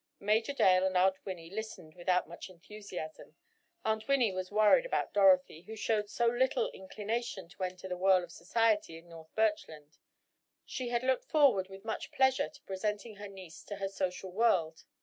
Major Dale and Aunt Winnie listened without much enthusiasm. Aunt Winnie was worried about Dorothy, who showed so little inclination to enter the whirl of society in North Birchland. She had looked forward with much pleasure to presenting her niece to her social world.